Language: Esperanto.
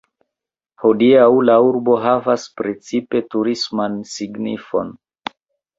Hodiaŭ la urbo havas precipe turisman signifon.